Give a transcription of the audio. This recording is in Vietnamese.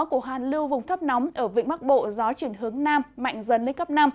của hàn lưu vùng thấp nóng ở vĩnh bắc bộ gió chuyển hướng nam mạnh dần lên cấp năm